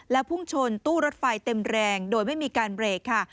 พุ่งชนตู้รถไฟเต็มแรงโดยไม่มีการเบรกค่ะ